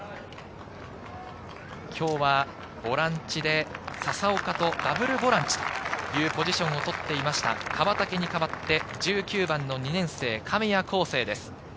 今日はボランチで笹岡とダブルボランチというポジションをとっていました、川竹に代わって１９番の２年生・神谷昂成です。